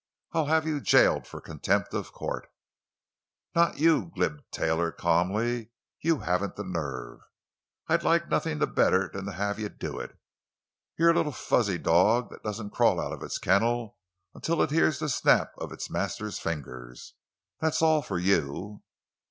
"I'll have you jailed for contempt of court!" "Not you!" gibed Taylor, calmly. "You haven't the nerve! I'd like nothing better than to have you do it. You're a little fuzzy dog that doesn't crawl out of its kennel until it hears the snap of its master's fingers! That's all for you!"